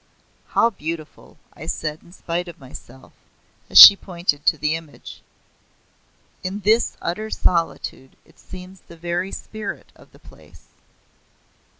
"How beautiful!" I said in spite of myself, as she pointed to the image. "In this utter solitude it seems the very spirit of the place."